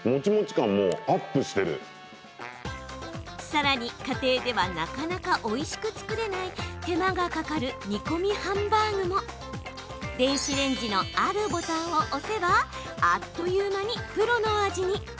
さらに家庭ではなかなかおいしく作れない手間がかかる煮込みハンバーグも電子レンジのあるボタンを押せばあっという間にプロの味に。